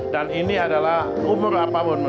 dan ini adalah umur apapun